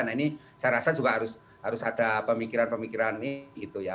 nah ini saya rasa juga harus ada pemikiran pemikiran ini gitu ya